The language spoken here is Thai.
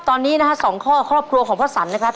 ตอนนี้นะฮะสองข้อครอบครัวของพ่อสันนะครับ